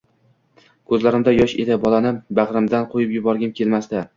Ko‘zlarimda yosh edi, bolani bag‘rimdan qo‘yib yuborgim kelmasdi.